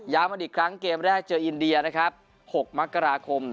ย้ำอดีตครั้งเกมแรกเจออินเดียนะครับหกมักกราคม